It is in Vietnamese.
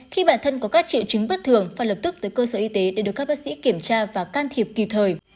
khi bản thân có các triệu chứng bất thường phải lập tức tới cơ sở y tế để được các bác sĩ kiểm tra và can thiệp kịp thời